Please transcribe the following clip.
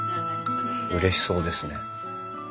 うれしそうですね。